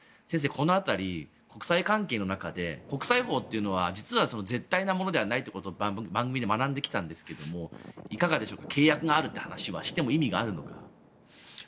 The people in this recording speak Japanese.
先生、この辺り国際関係の中で国際法というのは実は絶対なものではないということを番組で学んできたんですがいかがでしょうか契約があるという話はしても意味があるのか。